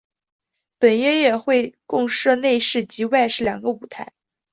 本音乐会共设室内及室外两个舞台。